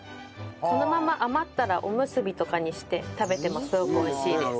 このまま余ったらおむすびとかにして食べてもすごく美味しいです。